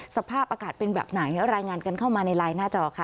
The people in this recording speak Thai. สภาพอากาศเป็นแบบไหนรายงานกันเข้ามาในไลน์หน้าจอค่ะ